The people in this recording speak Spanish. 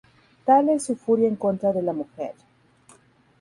Tal es su furia en contra de la mujer.